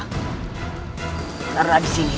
karena di sini